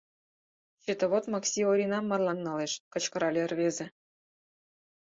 — Счетовод Макси Оринам марлан налеш! — кычкырале рвезе.